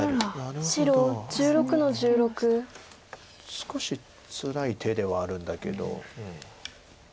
少しつらい手ではあるんだけど。